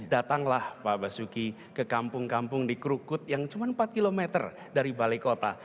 datanglah pak basuki ke kampung kampung di krukut yang cuma empat km dari balai kota